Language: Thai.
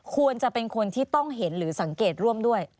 ควรจะเป็นคนที่ต้องเห็นหรือสังเกตร่วมด้วย